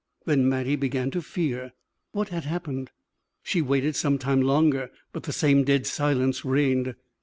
Then Mattie began to fear! What had happened? She waited some time longer, but the same dead silence reigned.